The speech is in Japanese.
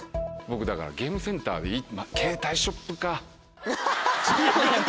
僕だからゲームセンターでいい携帯ショップか。